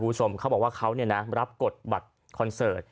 ผู้ชมเขาบอกว่าเขาเนี่ยนะรับกฏบัตรคอนเสิร์ต